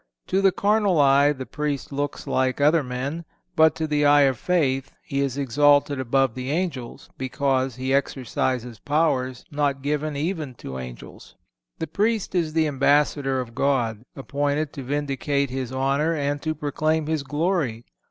To the carnal eye the Priest looks like other men, but to the eye of faith he is exalted above the angels, because he exercises powers not given even to angels. The Priest is the ambassador of God, appointed to vindicate His honor and to proclaim His glory.